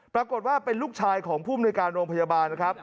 ปรากฏว่าเป็นลูกชายของผู้บริการโรงพยาบาล